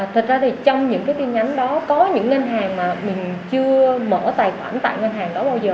thật ra thì trong những cái tin nhắn đó có những ngân hàng mà mình chưa mở tài khoản tại ngân hàng đó bao giờ